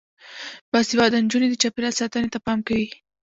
باسواده نجونې د چاپیریال ساتنې ته پام کوي.